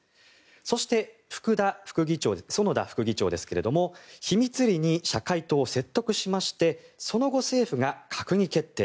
そして、園田副議長ですけれども秘密裏に社会党を説得しましてその後、政府が閣議決定。